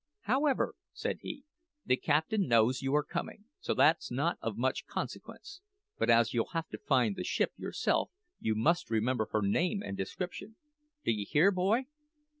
`However,' said he, `the captain knows you are coming, so that's not of much consequence; but as you'll have to find the ship yourself, you must remember her name and description. D'ye hear, boy?'